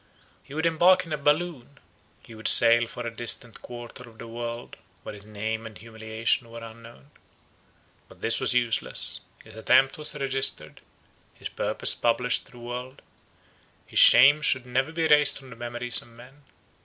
He would embark in a balloon; he would sail for a distant quarter of the world, where his name and humiliation were unknown. But this was useless; his attempt was registered; his purpose published to the world; his shame could never be erased from the memories of men.